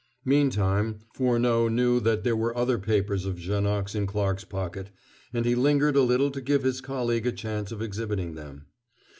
Meantime, Furneaux knew that there were other papers of Janoc's in Clarke's pocket, and he lingered a little to give his colleague a chance of exhibiting them.